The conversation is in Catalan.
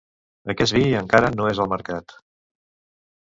Aquest vi encara no és al mercat.